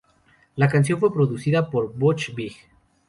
La canción fue producida por Butch Vig.